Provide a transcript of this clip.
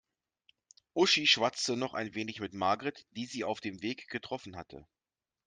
Uschi schwatzte noch ein wenig mit Margret, die sie auf dem Weg getroffen hatte.